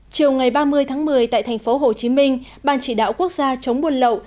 chiều ngày ba mươi tháng một mươi tại thành phố hồ chí minh ban chỉ đạo quốc gia chống buôn lậu